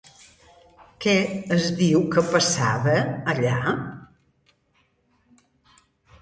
Què es diu que passava, allà?